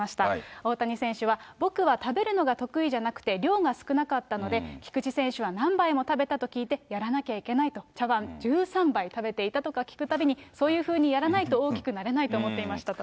大谷選手は、僕は食べるのが得意じゃなくて、量が少なかったので、菊池選手は何倍も食べたと聞いて、やらなきゃいけないと、茶わん１３杯とか食べていたとか聞くたびに、そういうふうにやらないと大きくなれないと思っていましたと。